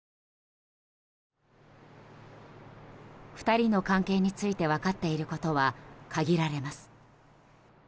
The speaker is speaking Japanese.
２人の関係について分かっていることは限られます。